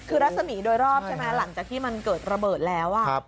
คือรัศมีร์โดยรอบใช่ไหมหลังจากที่มันเกิดระเบิดแล้ว